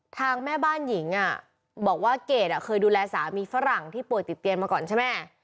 แม่บ้านหญิงบอกว่าเกรดเคยดูแลสามีฝรั่งที่ป่วยติดเตียงมาก่อนใช่ไหม